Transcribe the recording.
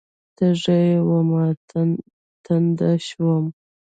تږې ومه، تنده شوم